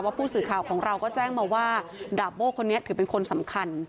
ผู้สื่อข่าวของเราก็แจ้งมาว่าดาบโบ้คนนี้ถือเป็นคนสำคัญ